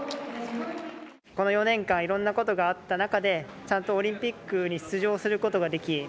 この４年間いろんなことがあった中でちゃんとオリンピックに出場することができ